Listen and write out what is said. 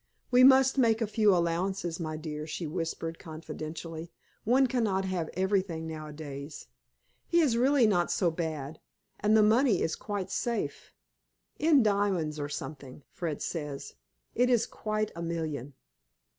"We must make a few allowances, my dear," she whispered, confidentially. "One cannot have everything nowadays. He is really not so bad, and the money is quite safe. In diamonds, or something, Fred says. It is quite a million."